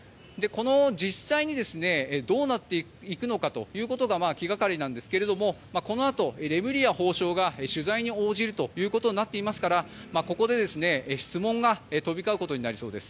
実際にどうなっていくのかということが気がかりなんですがこのあと、レムリア法相が取材に応じることになっていますからここで質問が飛び交うことになりそうです。